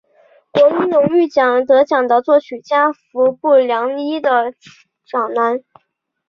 国民荣誉奖得奖的作曲家服部良一的长男。